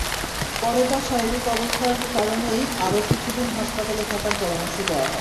পরে তাঁর শারীরিক অবস্থার কারণেই আরও কিছুদিন হাসপাতালে থাকার পরামর্শ দেওয়া হয়।